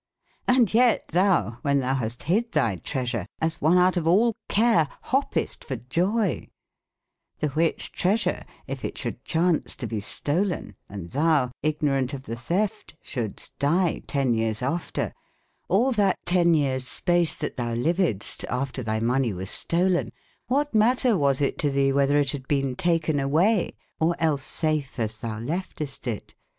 Hnd yet thou, when thou Action and haste hydde thy treasure, as one out of a wittie all care, hoppest for joye* The whiche treasure, yf it shoulde chaunce to bee stolen, ^ thou, ignoraunt of the thef te, shouldestdyetenneyeares after tall that tenne y eares space that thou ly vedestaf/ ter thy money was stoolen, what matter was it to thee, whether it hadde bene tak/ en away e or elles safe as thou lef teste it